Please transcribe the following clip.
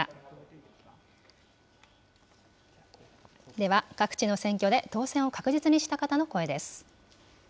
では、各地の選挙で当選を確実にした方の声です。